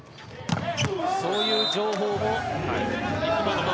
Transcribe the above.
そういう情報も。